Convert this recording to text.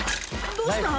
どうした？」